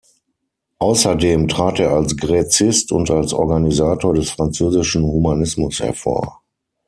Außerdem trat er als Gräzist und als Organisator des französischen Humanismus hervor.